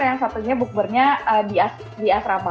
yang satunya bukbernya di asrama